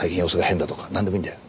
なんでもいいんだよ。